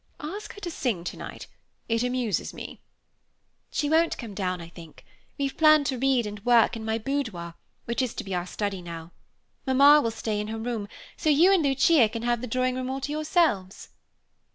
Ask her to sing tonight; it amuses me." "She won't come down, I think. We've planned to read and work in my boudoir, which is to be our study now. Mamma will stay in her room, so you and Lucia can have the drawing room all to yourselves."